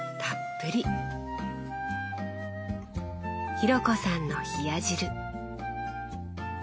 紘子さんの冷や汁。